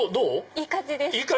いい感じです！